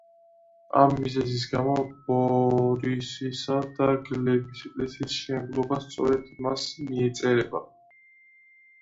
ამ მიზეზის გამო ბორისისა და გლების ეკლესიის მშენებლობაც სწორედ მას მიეწერება.